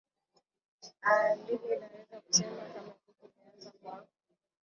aa mimi naweza kusema kama ligi imeanza kwa